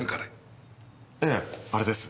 ええあれです。